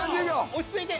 落ち着いて。